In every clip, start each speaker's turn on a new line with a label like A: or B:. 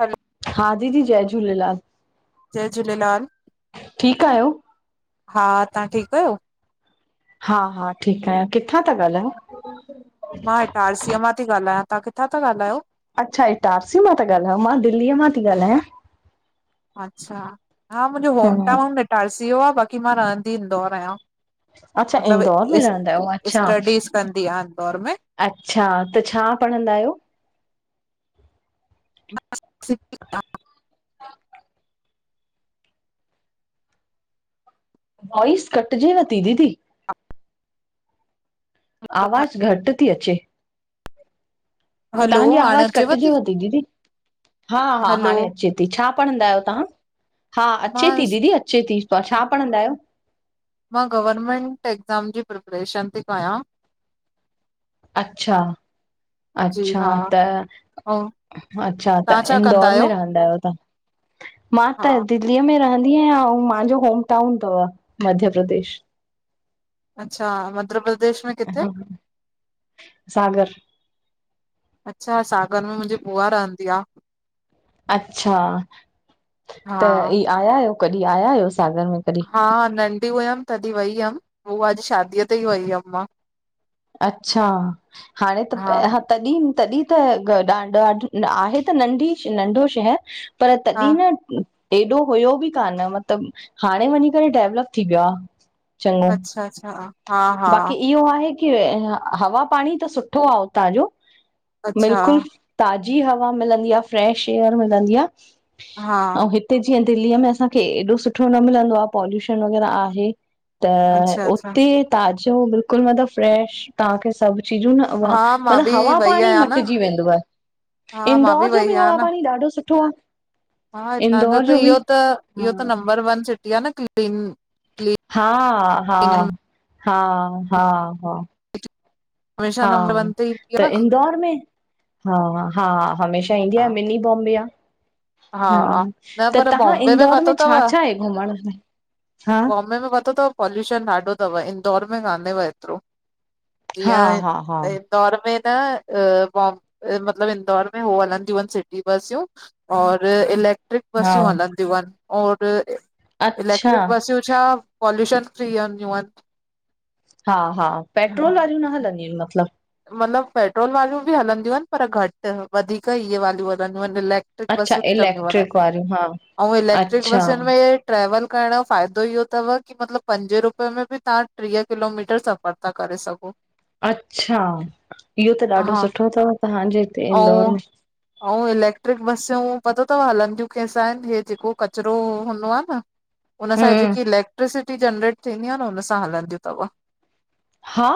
A: हलो,
B: हा दीदी जय झूलेलाल
A: जय झूलेलाल
B: ठीकु आहियो?
A: हा तव्हां ठीकु आहियो
B: हा हा ठीकु आहियां किथां था ॻाल्हायो
A: मां इटारसीअ मां थी गाल्हायां तव्हां किथां था ॻाल्हायो
B: अच्छा इटारसी मां था ॻाल्हायो मां दिल्लीअ मां थी ॻाल्हायां
A: अच्छा हा मुंहिंजो
B: हम्म
A: होमटाउन इटारसी यो आहे बाक़ी मां रहंदी इंदौर आहियां
B: अच्छा
A: मतलब
B: इंदौर में रहंदा आहियो अच्छा
A: स्टडीज़ कंदी आहे इंदौर में
B: अच्छा त छा पढ़ंदा आहियो
A: [inaudible]
B: वॉइस कटिजेव थी दीदी आवाज़ु घटि थी अचे
A: हलो,
B: तव्हांजी
A: हाणे
B: आवाज़
A: अचेव
B: कटिजेव थी दीदी हा हा
A: हलो,
B: हाणे अचे थी छा पढ़ंदा आहियो तव्हां हा अचे
A: मां
B: थी दीदी अचे थी तव्हां छा पढ़ंदा आहियो
A: मां गवर्मेंट एक्ज़ाम जी प्रिपरेशन थी कयां
B: अच्छा
A: जी
B: अच्छा
A: हा
B: त
A: ऐं
B: अच्छा त
A: तव्हां छा कंदा
B: इंदौर
A: आहियो?
B: में रहंदा आहियो तव्हां मां
A: हा
B: त हिते दिल्लीअ में रहंदी आहियां ऐं मुंहिंजो होमटाउन अथव मध्य प्रदेश
A: अच्छा मध्य प्रदेश में किथे
B: हा सागर
A: अच्छा सागर में मुंहिंजी बुआ रहंदी आहे
B: अच्छा त
A: हा
B: ई आया आहियो कॾहिं आया आहियो सागर में कॾहिं?
A: हा नंढी हुयमि तॾहिं वई हुअमि ॿुआ जी शादीअ ते ई वई हुयमि मां
B: अच्छा हाणे त
A: हा
B: [unintelligible] तॾहिं तॾहिं त ॾा ॾाढ आहे त नंढी नंढो शहर पर
A: हा
B: तॾहिं न एॾो हुयो बि कान मतिलब हाणे वञी करे डेवलप थी वियो आहे चङो।
A: अच्छा अच्छा हा हा
B: बाक़ी इहो आहे की हवा पाणी त सुठो आहे हुतां जो
A: अच्छा
B: बिल्कुलु ताज़ी हवा मिलंदी आहे फ्रेश एयर मिलंदी आहे
A: हा
B: ऐं हिते जीअं दिल्लीअ में असांखे एॾो सुठो न मिलंदो आहे पॉल्यूशन वग़ैरह आहे त
A: अच्छा अच्छा
B: उते ताज़ो बिल्कुल मतलब फ्रेश तवांखे सभु चीजू न ह
A: हा मां
B: मतिलबु
A: बि
B: हवा
A: वई
B: पाणी
A: आहियां न
B: मटिजी वेंदोव
A: हा मां
B: इंदौर जो
A: वई
B: बि
A: आहियां
B: हवा
A: न
B: पाणी ॾाढो सुठो आहे
A: हा, हितां जो त इहो त- इहो त
B: हा
A: नंबर वन सिटी आ न क्लीन
B: हा हा
A: क्लीन
B: हा हा हा
A: अ [unintelligible]
B: हा, त इंदौर में? हा हा हमेशा ईन्दी आ, मिनी बॉम्बे
A: हा
B: आ। हा,
A: न
B: त
A: पर
B: तव्हां
A: बॉम्बे
B: इंदौर
A: पतो
B: में
A: अथव
B: छा छा आहे घुमण ला
A: बॉम्बे में पतो तव? पॉल्युशन ॾाढो तव, इंदौर में कानहेव एतिरो।
B: हा
A: जीअं
B: हा हा
A: इंदौर में न बॉम् मतलबु, इंदौर में हो हलंदियूं आहिनि सिटी बसियूं। और इलैक्ट्रिक
B: हा
A: बसियूं हलंदियूं अनि और
B: अच्छा
A: इलैक्ट्रिक बसियूं छा पॉल्यूशन फ्री हनञु अनि।
B: हा हा पेट्रोल वारियूं न हलंदियूं इनि मतलबु?
A: मतिलबु पेट्रोल वालियूं ॿि हलंदियूं आहिनि पर घटि, वधीक इहे वालियूं हलंदियूं आहिनि, इलेक् इलेक्ट्रिक
B: अच्छा
A: बसियूं चलदयुइनि कनि,
B: इलेक्ट्रिक वारियूं हा
A: अऊं इलेक्ट्रिक
B: अच्छा
A: बसयुनि में ये ट्रैवल करणु जो फ़ायदो इहो तव कि, मतिलबु पंजे रुपये में बि तव्हां ट्रीह किलोमीटर सफ़रु ता करे सघो।
B: अच्छा! इह्यो त ॾाढो
A: हा
B: सुठो तव, तव्हांजे हिते इंदौर में।
A: अंऊ इलेक्ट्रिक बसियूं पतो तवि, हलंदियूं केहिंसा इन, हे जेको कचरो हूंदो आ न? उन सां
B: हम्म
A: जेकी इलेक्ट्रिसिटी जनरेट थींदी आ न, उन सा हलंदिंयूं तवि।
B: हा!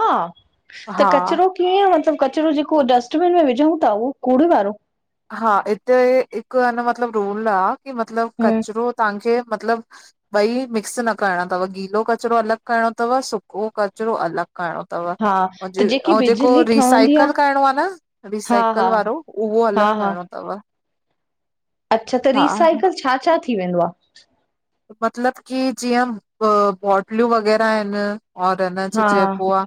B: त
A: हा
B: कचरो? कीअं मतलबु, कचरो जेको डस्टबिन में विझंऊ ता, उहो कूड़े वारो?
A: हा इते हिकु अनि मतिलबु रूल आ कि, मतिलब
B: हम्म
A: कचिरो तव्हांखे मतिलबु ॿई मिक्स न करणा तवु, गीलो कचिरो अलॻि करणो तवि, सुको कचरो अलॻि। करणो तव,
B: हा त जेकी
A: औं जेको
B: बिजली ठहंदी
A: रिसाइकल
B: आहे
A: करणों आ न?
B: हा
A: रिसाइकल
B: हा
A: वारो उहो अलॻि
B: हा हा
A: करणों तव।
B: अच्छा, त रिसाइकल छा- छा थी वेंदो आ?
A: मतलबु की ॼीअं अ बॉटल्यूं वग़ैरह ऐनि। और हिन छा
B: हा
A: चइॿो आ,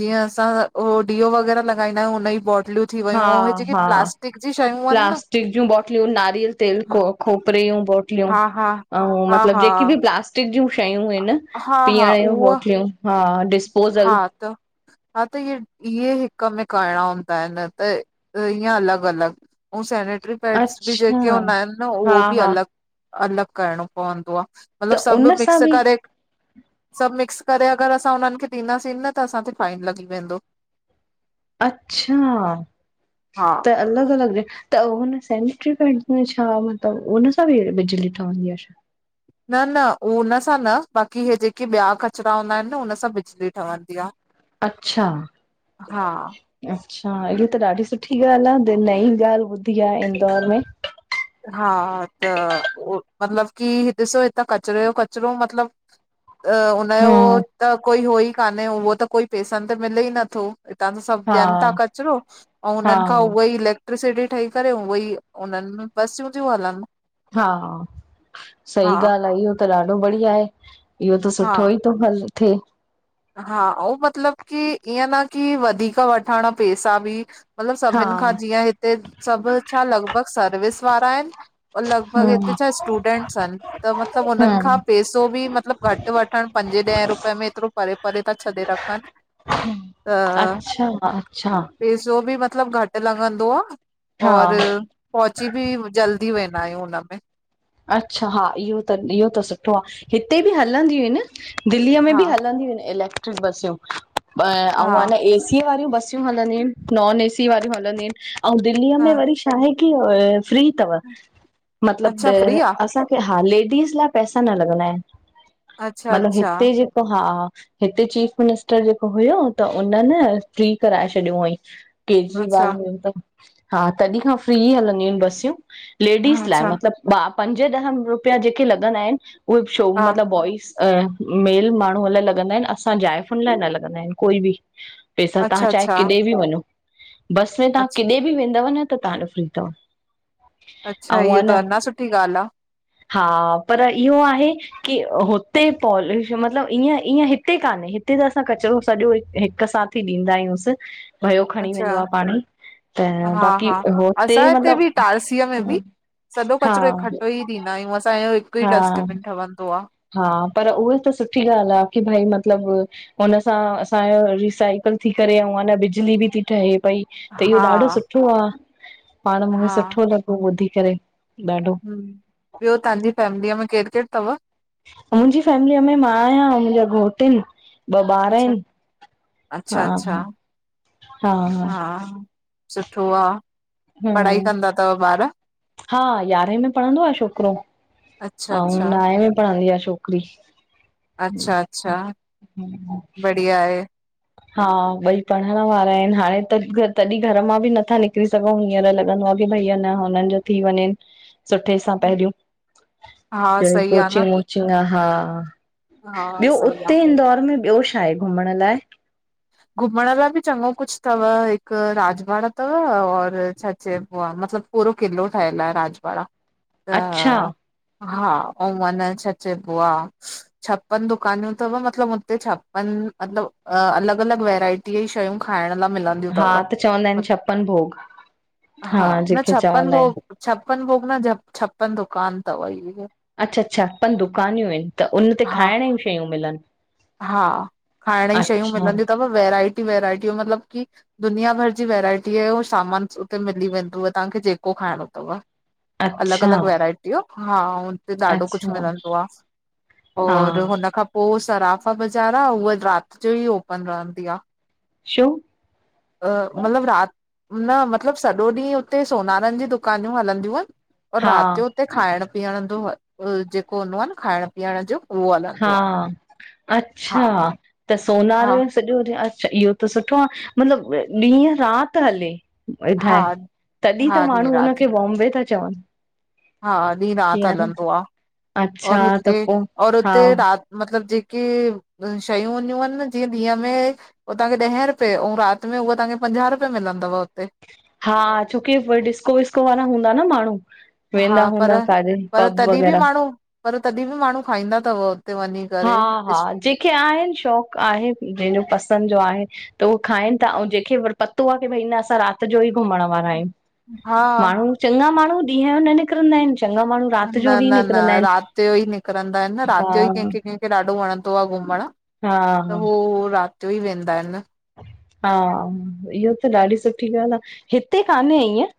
A: ॼीअं असां हो डीओ वग़ैरह लगाईंदा आहयूं, उन्हॼी बॉटलियूं थी
B: हा
A: वयूं, अंउं जेकी प्लास्टिक जी शयूं आहिनि न?
B: फ्रिॼ ॼुं बॉटलियूं नारियल तेल खो खोपरेयूं जी बो लयुं,
A: हा हा
B: अऊं
A: हा
B: मतलबु
A: हा
B: ॼेकी ॿि प्लास्ट टिक ॼू शयूं हिनि,
A: हा हा
B: पीअंणु ॼू
A: उहा
B: बॉटलियूं हा
A: हा
B: डिस्पोजल
A: त हा त इहे इहे हिकु में करणां हुंदा आहिनि त इअं अलॻि अलॻि। अंउ सैनेटरी पैड्स ॿि
B: अच्छा
A: जेके हूंदा ऐनि न,
B: हा
A: उहो ॿि
B: हा
A: अलॻि। अलॻि करिणो पवन्दो आ। मतिलबु
B: त
A: सभु
B: उन सां
A: मिक्स
B: बि
A: करे सभु मिक्स करे अगरि असां हुननि खे ॾींदासीं न, त असांते फाइन लॻी वेंदो।
B: अच्छा!
A: हा
B: त अलॻि अलॻि रि त उन्ह सैनेटरी पैॾस में छा मतिलबु, उन्ह सां ॿि बिजली ठहंदी आ शा?
A: न न उन सां न, बाकी हे ॼेके ॿिया कचिरा हूंदा आहिनि न, हुन सां बिजली ठहंदी आ।
B: अच्छा।
A: हा
B: अच्छा इयो त ॾाढी सुठी ॻाल्हि आ। द नई ॻाल्हि ॿुधी आ इंदौर में।
A: हा त ओ मतलबु की, ॾिसो हितां कचरे जो कचिरो मतलबु अ हुनॼो
B: हम्म
A: त कोई हो ई कान्हे, उहो त कोई पेसनि त मिले ई नथो। हितां त सभु
B: हा
A: ॾियनि ता कचरो, अंऊ
B: हा
A: उननि खां उहो इलेक् क्ट्रीसिटी ठही करे उहई, उन्हनि में बसियूं तियु हलनि।
B: हा
A: हा
B: सही ॻाल्हि आ, इहो त ॾाढो बढ़िया हे इहो त
A: हा
B: सुठोई तो हल थिए।
A: हा, ओ मतलबु की ईअं न की वधीक वठणु पैसा ॿि मतलबु
B: हा
A: सभिनि खां ॼींअं हिते, सभु छा लॻभॻि सर्विस वारा ऐनि। अंउ लॻभॻि हिते
B: हम्म
A: छा स्टूडेंट्स ऐनि। त मतलबु हुननि खां
B: हम्म
A: पैसो ॿि मतलबु, घटि वठणु पंॼे ॾहें रुपए में एतिरो हे परे ता छॾे रखनि त
B: अच्छा अच्छा
A: पेसो ॿि मतलबु घटि लॻंदो आ और
B: हा
A: पहुची भी जल्दी वेंदा आहियूं हुनमें।
B: अच्छा हा, इयो त इयो त सुठो आ। हिते ॿि हलंदियूं इनि। दिल्लीअ में
A: हा
B: ॿि हलंदिंयूं एनि इलेक्ट्रिक बसियूं।
A: हा
B: अऊं आ न एसी वारियूं बसियूं सयूं हलंदिंयूं एनि, नॉन न एसी वारियूं हलंदिंयूं एनि। अऊं दिल्ली य में
A: हा
B: वरी छाहे की फ्री तवि, मतलबु
A: अच्छा फ्री आ
B: असां हा लेडीस लाइ पैसा न लॻंदा एनि।
A: अच्छा
B: मतिलबु
A: अच्छा
B: हिते जेको हा हिते चीफ मिनिस्टर जेको हुयो, त उननि फ्री कराए छॾियियो हुयईं।
A: अच्छा
B: केजरीवाल
A: अच्छा
B: हुययो त, हा तॾहिं खां फ्री हलंदियूं आहिनि बसियूं। लेडीस लाइ मतिलबु ॿा पंज ॾह रुपया जेके लॻंदा आहिनि, उहे शो
A: हा
B: मतिलबु बॉइ अ मेल माण्हूंअ लाइ लॻंदा आहिनि, असां जाइफ़ुनि लाइ न लॻंदा आहिनि। कोई बि पैसा ताहां
A: अच्छा
B: चाहे
A: अच्छा
B: किथे बि वञो, बस में ताहां
A: अच्छा
B: किथे बि वेंदव न, त तव्हांजो फ्री तवि।
A: अच्छा इहो त अञा सुठी ॻाल्हि आ।
B: हा पर इहो आहे। की हुते पॉलश मतिलबु ईअं ईअं हिते कान्हे। हिते त असां कचिरो सॼो हिकु साथ थी ॾींदा आहियुंसि। भयो खणी
A: अच्छा
B: वेंदो आ पाणयी, त
A: हा
B: बाक़ी
A: हा
B: हुते
A: असां हिते बि टारसीअ में बि
B: मतलबु
A: सॼो कचिरो इकठो ई ॾींदा आहियूं, असांजो हिकु
B: हा
A: ई डस्टबिन ठवंदो आ।
B: हा पर उहे त सुठी ॻाल्हि आ, की भई मतिलबु हुन सां असांजो रिसाइकल थी करे, ऐंऊ अञा बिजली बि थी ठहे पई। त इहो
A: हा
B: ॾाढो सुठो आ, पाणि मूंखे
A: हा
B: सुठो लॻो ॿुधी करे ॾाढो।
A: ह ॿियो ताहांजी फेमिलीअ में केर केर तव?
B: मुंहिंजी फैमिलीअ में मां आहियां अऊं मुंहिंजा घोट ऐनि। ॿ ॿार
A: अच्छा
B: आहिनि हा
A: अच्छा अच्छा
B: हा
A: हा सुठो आ। पढ़ाई
B: हम्म
A: कंदा तवि ॿारि?
B: हा यारहें में पढ़ंदो आ छोकिरो,
A: अच्छा
B: अऊं
A: अच्छा
B: नाऐं में पढ़ंदी आ छोकिरी।
A: अच्छा अच्छा बढ़िया आहे।
B: हा ॿई पढ़णु वारा आहिनि, हाणे त तॾहिं घरु मां बि नथा निकिरी सघऊं, हीअर लॻंदो आ कि भई हन हुननि जो थी वञेन, सुठे सा पहिरियूं।
A: हा
B: जेणी
A: सही आ न
B: कोचिंग वोचिंग आ हा।
A: हा
B: ॿियो
A: सही आ।
B: उते इंदौर में ॿियो छा आहे घुमणु लाए?
A: घुमणु लाइ बि चङो कुछ तव, हिकु राजवाड़ा तव और छा चइबो आहे मतलबु पूरो किलो ठहियलु आहे राजवाड़ा
B: अच्छा
A: त हा अऊं अन छा चयबो आ? छप्पन दुकानियूं तव मतलबु हुते छप्पन मतिलबु अलॻि अलॻि वैरायटी जी शयूं खाइणु लाइ मिलंद न्दियूं
B: हा
A: तव,
B: त चवंदा आहिनि छप्पन भोग
A: हा न
B: जेके
A: छप्पन
B: चवंदा आहिनि
A: भोग छप्पन भोग न छप्पन दुकान तव इये।
B: अच्छा अच्छा तव्हांजी दुकानियूं आहिनि, त उन ते
A: हा
B: खाइण जी शयूं मिलनि?
A: हा खाइण जी शयूं
B: अच्छा
A: मिलंदियूं अथव वैराइटी वैराइटियूं मतलबु कि दुनिया भर जी वैराइटी आहे। उहो सामान उते मिली वेंदोव तव्हांखे जेको खाइणो अथव। अलॻि
B: अच्छा
A: अलॻि वैरायटियूं हा उन तेे ॾाढो कुझु
B: अच्छा
A: मिलंदो आहे।
B: हा
A: और हुन खां पोइ सराफा बाज़ार आहे उहा राति जो ई ओपन रहंदी आहे।
B: शो?
A: अ मतलबु राति न मतिलबु सॼो ॾींहुं हुते सोनारनि जी दुकानियूं हलंदियूं आहिनि और
B: हा
A: राति जो उते खाइण पीअण जो जेको हूंदो आहे न खाइण पीअण जो उहो
B: हा
A: हलंदो आहे।
B: अच्छा त
A: हा
B: सोनारे सॼो ॾींहुं अच्छा इहो त सुठो आहे मतिलबु ॾींहं राति हले
A: हा
B: ॿुधाए? तॾहिं
A: हा
B: त
A: ॾींहुं
B: माण्हू
A: राति
B: हुनखे बॉम्बे था चवनि।
A: हा ॾींहुं राति
B: कीअं न
A: हलंदो आहे,
B: अच्छा
A: और
B: त
A: हुते
B: पो
A: और
B: हा
A: हुते राति मतिलब जेके शयूं हूंदियूं आहिनि न जीअं ॾींहं में उहो तव्हांखे ॾह रुपए ऐं राति में उहा तव्हांखे पंजाह रुपये मिलंदव हुते।
B: हा छो कि वरी डिस्को विस्को वारा हूंदा न माण्हू। वेंदा
A: हा पर
B: हूंदा काॾे
A: पर
B: पब
A: तॾहिं बि
B: वगैरह।
A: माण्हू पर तॾहिं बि माण्हू खाईंदा तव हुते वञी।
B: हा
A: करे
B: हा जेके आहिनि शौक़ु आहे जंहिंजो पसंदि जो आहे त उहो खाइनि था ऐं जंहिंखे वरी पतो आ कि भई न असां राति जो ई घुमण वारा आहियूं।
A: हा
B: माण्हू चङा माण्हू ॾींहं जो न निकिरंदा आहिनि चङा माण्हू राति
A: न,
B: जो ई
A: न, न
B: निकिरंदा आहिनि
A: राति जो ई निकिरंदा आहिनि न
B: हा
A: राति जो ई कंहिंखे कंहिंखे ॾाढो वणंदो आ घुमण।
B: हा
A: त हो राति जो ई वेंदा आहिनि न।
B: हा इहो त ॾाढी सुठी ॻाल्हि आ। हिते कान्हे ईअं।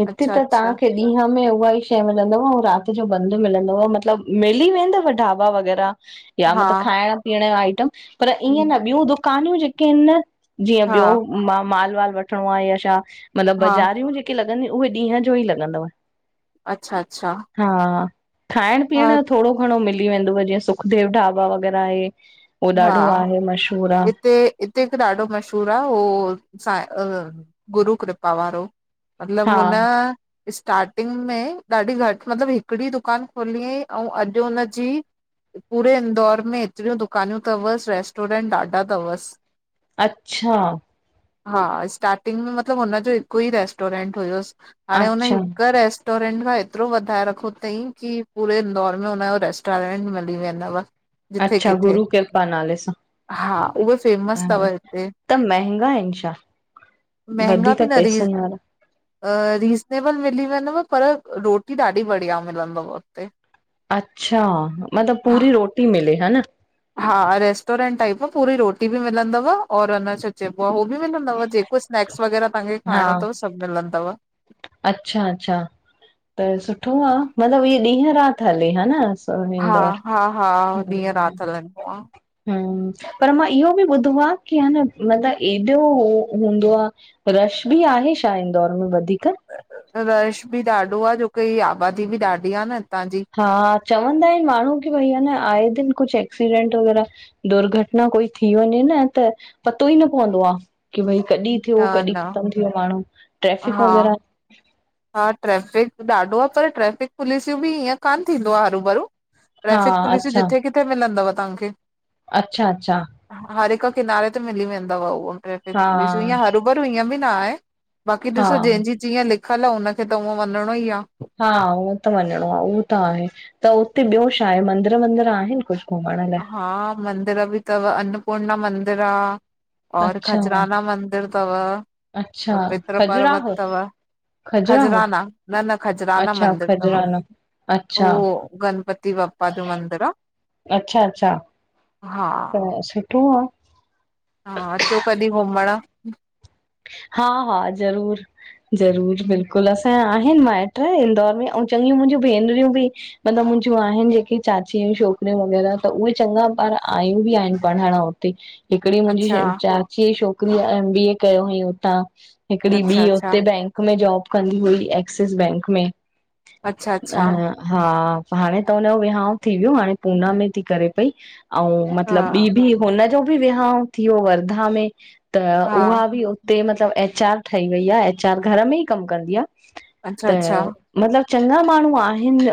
B: हिते
A: अच्छा
B: त
A: अच्छा
B: तव्हांखे ॾींहं में उहा ई शइ मिलंदव ऐं राति जो बंदि मिलंदव मतिलबु, मिली वेंदव ढाबा वग़ैरह या
A: हा
B: मतिलबु खाइण पीअण जो आइटम पर ईअं न ॿियूं दुकानियूं जेके आहिनि न जीअं ॿियो
A: हा
B: मां माल वाल वठिणो आहे या छा मतिलबु
A: हा
B: बाज़ारियूं जेके लॻंदियूं उहे ॾींहं जो ई लॻंदव।
A: अच्छा, अच्छा।
B: हा खाइण
A: हा
B: पीअण जो थोरो घणो मिली वेंदो जीअं सुखदेव ढाबा वग़ैरह आहे उहो
A: हा
B: ॾाढो आहे मशहूर आ।
A: हिते हिते ॾाढो मशहूर आ उहो गुरू कृपा वारो। मतलब
B: हा
A: हुन स्टार्टिंग में ॾाढी घटि मतलबु हिकिड़ी दुकान खोली हुयईं ऐं अॼु हुनजी पूरे इंदौर में एतिरियूं दुकानियूं तव, रेस्टोरेंट ॾाढा तव बसि।
B: अच्छा!
A: हा स्टार्टिंग में मतलबु हुनजो हिकु ई रेस्टोरेंट हुयुसि हाणे हुन
B: अच्छा
A: हिक रेस् -टोरेंट मां एतिरो वधाए रखो तई कि पूरे इंदौर में हुनजो रेस्टोरेंट मिली वेंदव। जिथे
B: अच्छा,
A: किथे
B: गुरू कृपा नाले सां।
A: हा उहे फेमस अथव
B: हां,
A: हिते
B: त महंगा आहिनि छा? वधिक पैसनि वारा?
A: रिज़नेबल मिली वेंदव पर रोटी ॾाढी बढ़िया मिलंदव।
B: अच्छा, मतिलब पूरी रोटी मिले हन?
A: हा रेस्टोरेंट टाइप आ, पूरी रोटी बि मिलंदव और हन छा चइबो आ हो बि मिलंदव जे कुछ स्नेक्स व़गैरह तहांखे
B: हा
A: खाइणो तव सब मिलंदव।
B: अच्छा, अच्छा त सुठो आ, मतलबु इहे ॾींहं रात हले, हा न।
A: हा
B: इंदौर
A: हा हा ॾींहं रात हलंदो आ।
B: हम्म, पर मां इहो बि ॿुधो आ कि हा न मतिलबु एॾो हूंदो आ रश बि आहे शा इंदौर में वधीक?
A: रश बि ॾाढो आ, जो कि आबादी बि ॾाढी आ न हितां जी।
B: हा, चवंदा आहिनि माण्हू की भई आए दिन कुछ एक्सीडेंट वग़ैरह दुर्घटना कोई थी वञे न त पतो ई न पवंदो आ कि भई कॾहिं थियो,
A: न
B: कॾहिं
A: न
B: ख़तमु थी वियो माण्हू ट्रैफिक
A: हा
B: वग़ैरह
A: हा ट्रैफिक ॾाढो आ पर ट्रैफिक पुलिस बि, ईअं कान थींदो आ हरु भरु।
B: हा
A: ट्रेफिक पुलिसूं
B: अच्छा
A: जिथे किथे मिलंदव तहांखे।
B: अच्छा अच्छा।
A: हर हिकु किनारे ते मिली वेंदव उहो ट्रैफिक
B: हा
A: पुलिसुं, हरूभर हिंअं बि न आहे बाक़ि
B: हा
A: ॾिसो जंहिंजी जिअं लिखियलु हुनखे त उंअ वञिणो ई आ।
B: हा हू त वञिणो आ, उहो त आहे, त हुते ॿियो छा आहे, मंदिर वंदिर आहिन कुछ?
A: हा मंदिर बि थव, अन्नपूर्णा मंदिर आ और
B: अच्छा
A: खजराना मंदिर थव
B: अच्छा
A: और पित्र पर्वत
B: खजुराहो
A: थव
B: खजुराहो
A: खजराना, न न खजराना
B: अच्छा
A: मंदिर थव,
B: खजुरानो अच्छा
A: उहो गणपति बाप्पा जो मंदिर आ।
B: अच्छा अच्छा।
A: हा।
B: त सुठो आ।
A: हा अचो कॾहिं घुमणु।
B: हा हा ज़रूर, ज़रूर बिल्कुलु बिल्कुल, असां आहिनि माइट्र इंदौर में ऐं चङियूं मुंहिंजूं भेनरियूं बि मतिलबु मुंहिंजूं आहिनि जेके चाचिय जियूं छोकिरियूं वग़ैरह त उहे चङा ॿार आयूं बि आहिनि पढ़ण हुत हिकिड़ी
A: अच्छा
B: मुंहिंजी चाचीअ जी छोकिरी एम बी ए कयो अंहुईं हुतां। हिकिड़ी
A: अच्छा
B: ॿीं
A: अच्छा
B: हुते बैंक में जॉब कंदी हुई एक्सिस बैंक में।
A: अच्छा अच्छा
B: हा [inaudible] हा हाणे त हुनजो विहांव थी वियो, हाणे पूना में थी करे पई। अंउ
A: हा
B: मतलब ॿी बि, हुनजो बि विहांव थी व्यो वर्धा में, त
A: हा
B: उहा बि हुते मतलबु एचआर ठही वई आ, एच आर, घर में ई कमु कंदी आ,
A: अच्छा
B: त
A: अच्छा
B: मतिलबु चंगा माण्हू आहिन